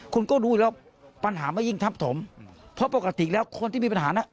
คุณก็ดูอยู่แล้วปัญหาไม่ยิ่งทับถมเพราะปกติแล้วคนที่มีปัญหาน่ะ